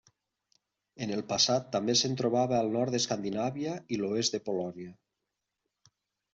En el passat també se'n trobava al nord d'Escandinàvia i l'oest de Polònia.